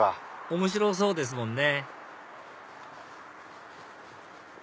面白そうですもんね